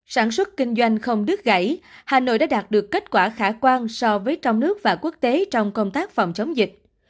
sản xuất kinh doanh không đứt gãy hà nội đã đạt được kết quả khả quan so với trong nước và quốc tế trong công tác phòng chống dịch